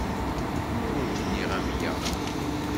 Ur awent-nniɣ amya.